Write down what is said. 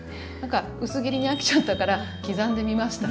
薄切りに飽きちゃったから刻んでみましたみたいな。